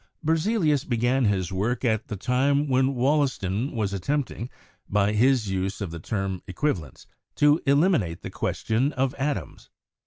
Berzelius began his work at the time when Wollaston was attempting, by his use of the term equivalents, to elim inate the question of atoms.